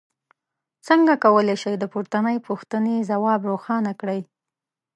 څنګه کولی شئ د پورتنۍ پوښتنې ځواب روښانه کړئ.